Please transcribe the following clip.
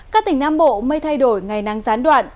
các tỉnh nam bộ mây thay đổi ngày nắng gián đoạn